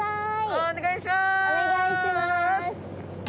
お願いします。